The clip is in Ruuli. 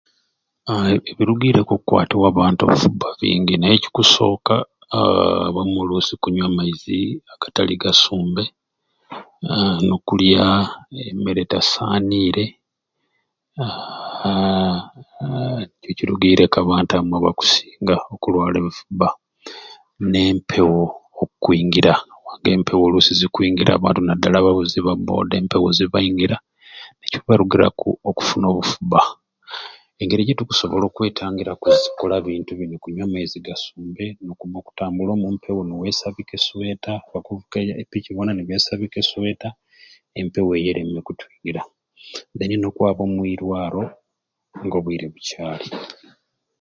Aa ebirigiireku okukwatibwa abantu akasubba bingi naye ekikusooka aaa abamwe oluusi kunywa maizi agatali gasumbe aa n'okulya emmere etasaaniire aaa ekirugireku abantu abamwe abakusinga okulwala ebifubba n'empewo okkwingira empewo oluusi zikwingira abantu naddala abavuzi ba booda empewo zibaingira nekibarugiraku okufuna obufubba engeri gitukusobola okwetangiramu kukola bintu bini kunywa maizi gasumbe okutambula omumpewo niwesabika e sweeta oba oikaire ku piki mwona ni wesabika e sweeta empewo eyo ereme okutwingira deni n'okwaba omwirwaro ng'obwiire bucaali.